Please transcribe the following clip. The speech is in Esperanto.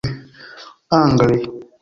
angle